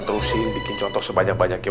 terusin bikin contoh sebanyak banyaknya